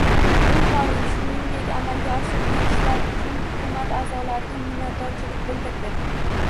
Ruhoniy, shuningdek, amalga oshirilgan ishlar uchun hukumat a’zolariga minnatdorchilik bildirdi